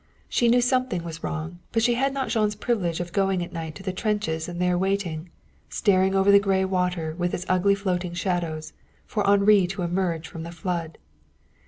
She knew something was wrong, but she had not Jean's privilege of going at night to the trenches and there waiting, staring over the gray water with its ugly floating shadows, for Henri to emerge from the flood.